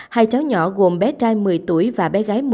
hai cháu nhỏ gồm bé trai một mươi tuổi và bé gái một